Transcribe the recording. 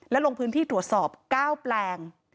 และลงพื้นที่ตรวจสอบ๙แปลง